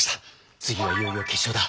次はいよいよ決勝だ。